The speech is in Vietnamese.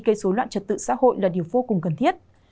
gây dối loạn trật tự xã hội là điều vô cùng cần thiết